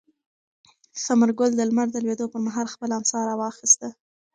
ثمر ګل د لمر د لوېدو پر مهال خپله امسا راواخیسته.